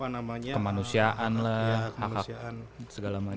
kemanusiaan lah kemanusiaan segala macam